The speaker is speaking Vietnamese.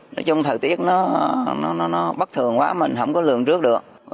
nói chung thời tiết nó bất thường quá mình không có lường trước được